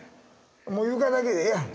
もう床だけでええやん。